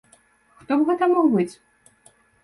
Хто б гэта мог быць?